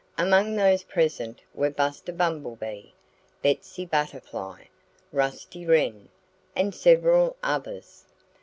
Among those present were Buster Bumblebee, Betsy Butterfly, Rusty Wren, and several others.